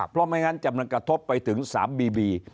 เพราะไม่งั้นจะมันกระทบไปถึง๓บีบี